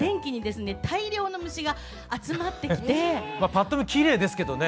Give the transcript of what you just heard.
パッと見きれいですけどね。